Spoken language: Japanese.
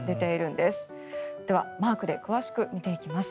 では、マークで詳しく見ていきます。